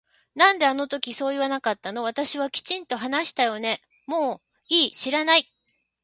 なんであの時そう言わなかったの私はきちんと話したよねもういい知らない